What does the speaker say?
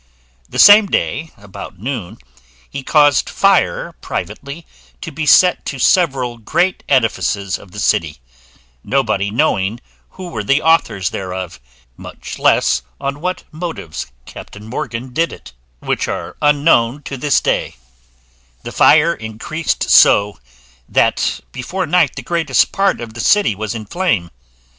The same day about noon, he caused fire privately to be set to several great edifices of the city, nobody knowing who were the authors thereof, much less on what motives Captain Morgan did it, which are unknown to this day: the fire increased so, that before night the greatest part of the city was in a flame.